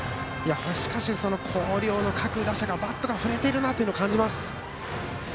しかし広陵の各打者バットが振れているなと感じます。